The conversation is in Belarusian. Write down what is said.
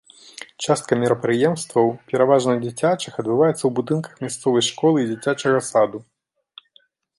Частка мерапрыемстваў, пераважна дзіцячых, адбываецца ў будынках мясцовай школы і дзіцячага саду.